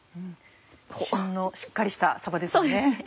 旬のしっかりしたさばですね。